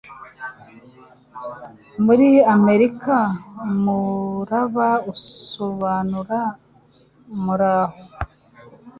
Muri Amerika, umuraba bisobanura "muraho."